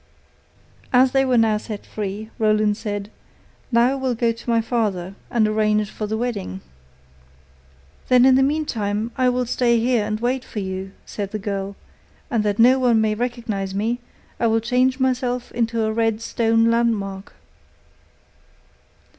As they were now set free, Roland said: 'Now I will go to my father and arrange for the wedding.' 'Then in the meantime I will stay here and wait for you,' said the girl, 'and that no one may recognize me, I will change myself into a red stone landmark.